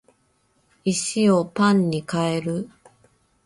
石をパンに変える